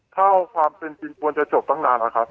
ถ้าความเป็นจริงควรจะจบตั้งนานแล้วครับ